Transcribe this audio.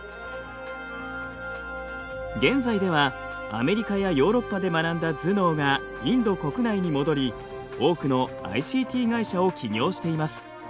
現在ではアメリカやヨーロッパで学んだ頭脳がインド国内に戻り多くのＩＣＴ会社を起業しています。